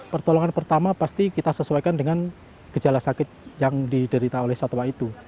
pertolongan pertama pasti kita sesuaikan dengan gejala sakit yang diderita oleh satwa itu